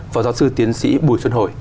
phó giáo sư tiến sĩ bùi xuân hồi